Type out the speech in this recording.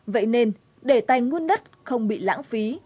vậy nên để tài nguyên đất không bị lãng phí